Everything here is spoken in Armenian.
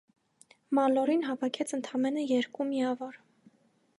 Մալլորին հավաքեց ընդամենը երկու միավոր։